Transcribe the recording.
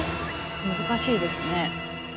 難しいですね。